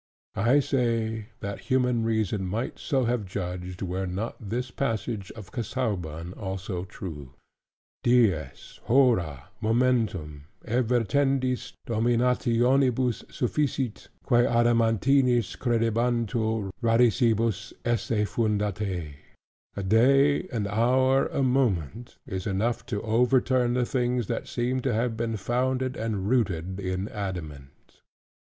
I say, that human reason might so have judged, were not this passage of Casaubon also true; "Dies, hora, momentum, evertendis dominationibus sufficit, quae adamantinis credebantur radicibus esse fundatae:" "A day, an hour, a moment, is enough to overturn the things, that seemed to have been founded and rooted in adamant."